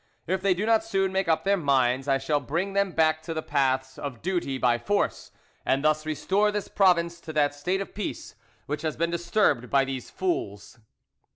If they do not soon make up their minds, I shall bring them back to the paths of duty by force, and thus restore this province to that state of peace which has been disturbed by these fools."